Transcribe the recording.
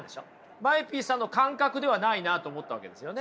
ＭＡＥＰさんの感覚ではないなと思ったわけですよね？